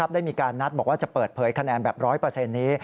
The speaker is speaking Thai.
ได้มีการนัดบอกว่าจะเปิดเผยคะแนนแบบ๑๐๐นี้